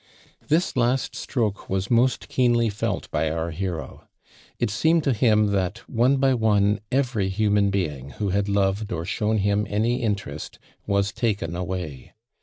Tins last stroke was most keenly felt by our hero. It aeemed to him that, one by one, every human being, who had loved or shown him any inttuwt was taken away.